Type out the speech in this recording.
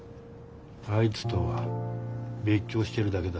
あいつとは別居してるだけだ。